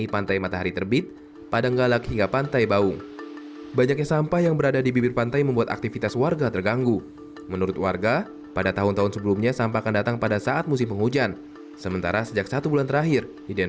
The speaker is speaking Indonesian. pantai yang terkenal dengan pesona matahari terbitnya ini dipenuhi sampah kiriman